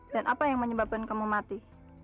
dan apa yang menyebabkan kamu mati